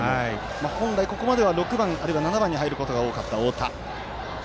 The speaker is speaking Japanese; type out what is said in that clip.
本来、ここまでは６番、あるいは７番に入ることが多かった太田。